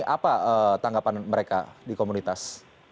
apa tanggapan mereka di komunitas